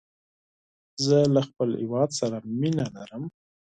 زه له خپل هېواد سره مینه لرم.